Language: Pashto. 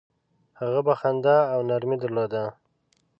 هغه به خندا او نرمي درلوده.